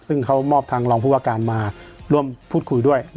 ซึ่งเขามอบทางรองผู้ว่าการมาร่วมพูดคุยด้วย